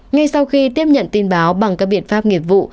ngay sau khi tiếp nhận tin báo bằng các biện pháp nghiệp vụ